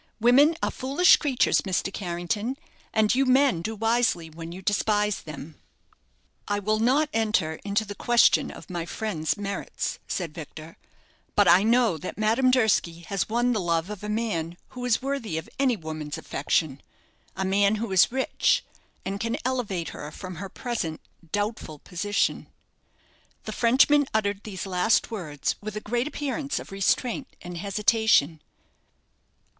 Women are foolish creatures, Mr. Carrington, and you men do wisely when you despise them." "I will not enter into the question of my friend's merits," said Victor; "but I know that Madame Durski has won the love of a man who is worthy of any woman's affection a man who is rich, and can elevate her from her present doubtful position." The Frenchman uttered these last words with a great appearance of restraint and hesitation.